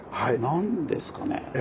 何ですかね？